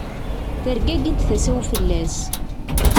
Tergagi-d tasa-w fell-as.